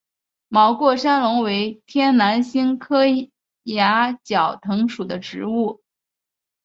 毛过山龙为天南星科崖角藤属的植物。